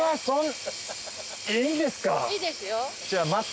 いいですよ。